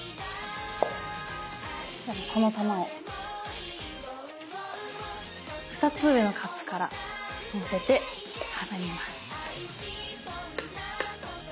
この玉を２つ上のカップからのせて挟みます。